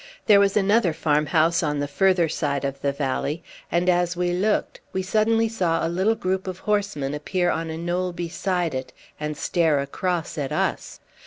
There was another farm house on the further side of the valley, and as we looked we suddenly saw a little group of horsemen appear on a knoll beside it and stare across at us.